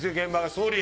総理！